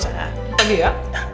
selamat pagi ya